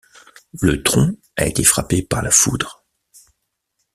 Le tronc a été frappé par la foudre.